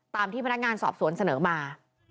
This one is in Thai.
ตามที่พนักงานสอบสวนเสนอมา